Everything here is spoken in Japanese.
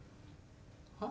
はっ？